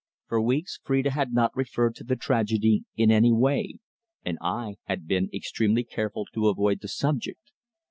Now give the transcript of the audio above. For weeks Phrida had not referred to the tragedy in any way, and I had been extremely careful to avoid the subject.